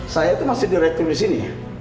saya itu masih direktif di sini ya